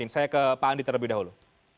saya ke pak andi terlebih dahulu